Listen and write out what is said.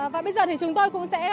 và bây giờ thì chúng tôi cũng sẽ